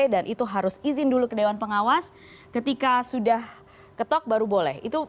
dan itu harus izin dulu ke dewan pengawas ketika sudah ketok baru boleh